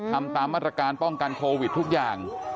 ทำตามมาตรการป้องกันโควิดทุกอย่าง